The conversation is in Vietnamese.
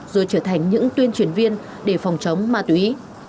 rồi trở thành những tuyên truyền viên để phòng chống ma túy